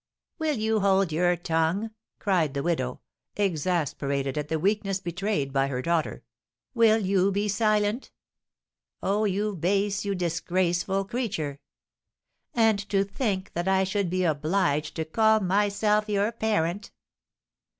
"Will you hold your tongue?" cried the widow, exasperated at the weakness betrayed by her daughter. "Will you be silent? Oh, you base, you disgraceful creature! And to think that I should be obliged to call myself your parent!"